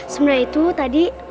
sebenernya itu tadi